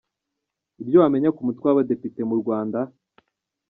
Ibyo wamenya ku Mutwe w’Abadepite mu Rwanda?.